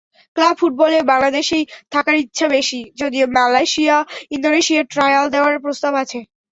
Club ফুটবলেও বাংলাদেশেই থাকার ইচ্ছা বেশি, যদিও মালয়েশিয়া-ইন্দোনেশিয়ায় ট্রায়াল দেওয়ার প্রস্তাব আছে।